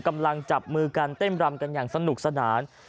กำลังจับมือกันเต้นรำกันอย่างสนุกสนาน